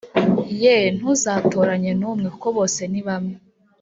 Yeee ntuzatoranye n’umwe kuko bose nibamwe